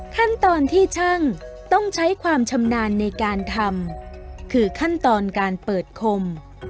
ขั้นตอนที่ช่างต้องใช้ความชำนาญในการทำคือขั้นตอนการเปิดคม